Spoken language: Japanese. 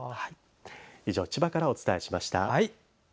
以上、千葉からお伝えしました。